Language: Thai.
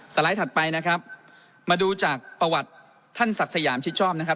ไลด์ถัดไปนะครับมาดูจากประวัติท่านศักดิ์สยามชิดชอบนะครับ